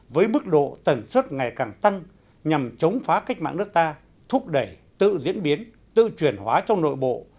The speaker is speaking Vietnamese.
với bức độ tần suất ngày càng tăng nhằm chống phá cách mạng nước ta thúc đẩy tự diễn biến tự truyền hóa trong nội bộ